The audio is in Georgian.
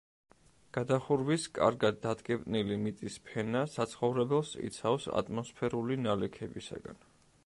გადახურვის კარგად დატკეპნილი მიწის ფენა საცხოვრებელს იცავს ატმოსფერული ნალექებისაგან.